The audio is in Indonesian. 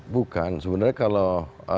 bukan sebenarnya kalau